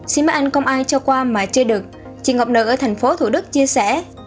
xin mời anh công an cho qua mà chưa được chị ngọc nội ở thành phố thủ đức chia sẻ